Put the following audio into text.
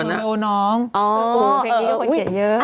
เพลงนี้ก็เป็นเกี่ยเยอะ